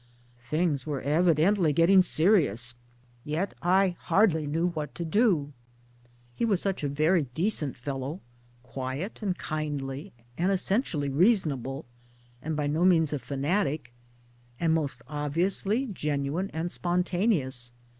Things were evidently getting serious ! Yet I hardly knew what to do. He was such a very decent fellow, quiet and kindly and essentially reasonable, and by no means a fanatic ; and most obviously genuine and spontaneous.